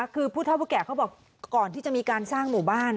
คือผู้เท่าผู้แก่เขาบอกก่อนที่จะมีการสร้างหมู่บ้าน